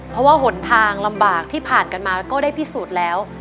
เพราะว่าหนทางลำบากที่ผ่านมากันมาแล้วก็ได้พิสูจน์แล้ว